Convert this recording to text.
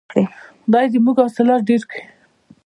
خدای دې زموږ حاصلات ډیر کړي.